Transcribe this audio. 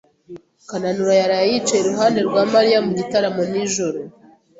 Kananura yaraye yicaye iruhande rwa Mariya mu gitaramo nijoro.